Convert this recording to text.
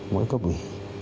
mỗi cấp ủy